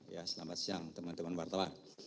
ya selamat siang teman teman wartawan